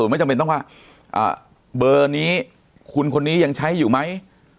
ไม่จำเป็นต้องว่าเบอร์นี้คุณคนนี้ยังใช้อยู่ไหม